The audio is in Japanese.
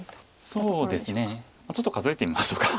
そうですねちょっと数えてみましょうか。